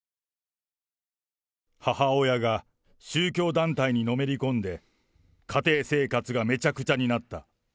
母親が宗教団体にのめり込んで、家庭生活がめちゃくちゃになった。